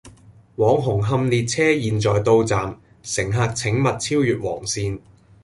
往紅磡列車現在到站，乘客請勿超越黃線